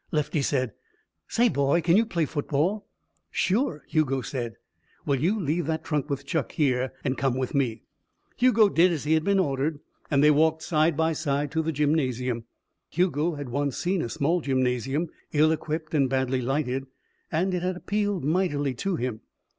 Lefty said: "Say, boy, can you play football?" "Sure," Hugo said. "Well, you leave that trunk with Chuck, here, and come with me." Hugo did as he had been ordered and they walked side by side to the gymnasium. Hugo had once seen a small gymnasium, ill equipped and badly lighted, and it had appealed mightily to him.